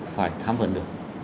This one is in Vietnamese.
phải tham vận được